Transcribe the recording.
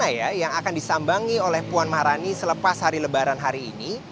siapa ya yang akan disambangi oleh puan maharani selepas hari lebaran hari ini